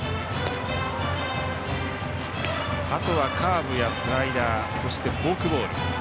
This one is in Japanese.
あとはカーブやスライダーそして、フォークボール。